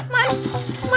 man ya elah man